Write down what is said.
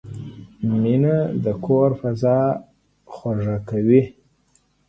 مینه د کور فضا خوږوي.